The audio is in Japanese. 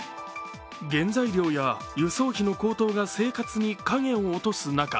原材料や輸送費の高騰が生活に影を落とす中